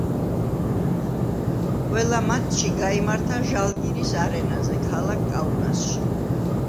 ყველა მატჩი გაიმართა ჟალგირის არენაზე ქალაქ კაუნასში.